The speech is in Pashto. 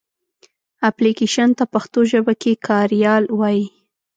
اپلکېشن ته پښتو ژبه کې کاریال وایې.